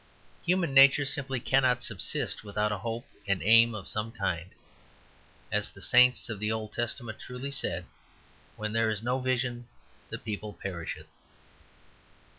Human nature simply cannot subsist without a hope and aim of some kind; as the sanity of the Old Testament truly said, where there is no vision the people perisheth.